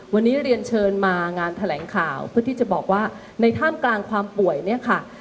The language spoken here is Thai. วันนี้เรียนเชิญมางานแถลงข่าวเพื่อที่จะบอกว่าในท่ามกลางความป่วยเนี่ยค่ะ